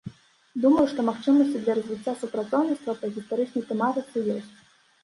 Думаю, што магчымасці для развіцця супрацоўніцтва па гістарычнай тэматыцы ёсць.